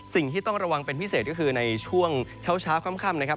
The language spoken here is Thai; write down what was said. สิ่งที่ต้องระวังเป็นพิเศษก็คือในช่วงเช้าค่ำนะครับ